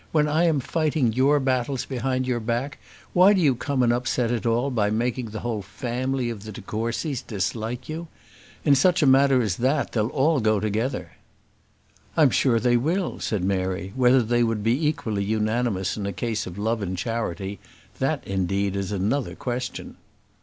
When I am fighting your battles behind your back, why do you come and upset it all by making the whole family of the de Courcys dislike you? In such a matter as that, they'll all go together." "I am sure they will," said Mary; "whether they would be equally unanimous in a case of love and charity, that, indeed, is another question."